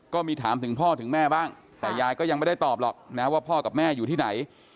ก็มีถามถึงพ่อถึงแม่บ้างแต่ยายก็ยังไม่ได้ตอบหรอกนะว่าพ่อกับแม่อยู่ที่ไหน